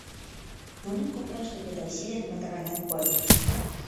Нунын коклаште Ведаси ден Матранат койыт.